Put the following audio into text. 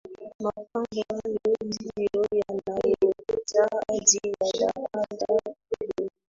Mapambo hayo ndio yanaongeza hadhi ya Daraja hilo